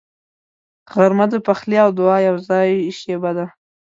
غرمه د پخلي او دعا یوځای شیبه ده